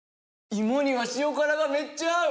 芋には塩辛がめっちゃ合う！